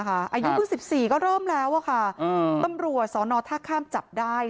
อายุคือ๑๔ก็เริ่มแล้วค่ะอำรัวสนทค้ามจับได้